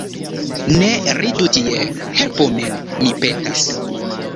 Ne ridu tie, helpu min, mi petas!